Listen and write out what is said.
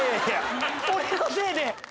俺のせいで。